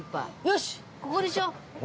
よしここにしよう。